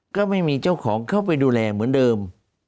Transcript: ก็ไม่มีเจ้าของเข้าไปดูแลเหมือนเดิม